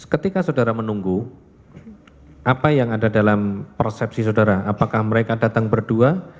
ketika saudara menunggu apa yang ada dalam persepsi saudara apakah mereka datang berdua